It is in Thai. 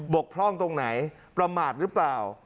กพร่องตรงไหนประมาทหรือเปล่า